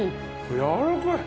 やわらかい。